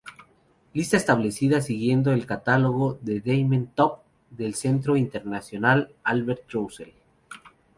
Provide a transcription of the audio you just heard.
Lista establecida siguiendo el catálogo de Damien Top, del Centro Internacional Albert Roussel.